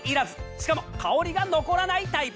しかも香りが残らないタイプ。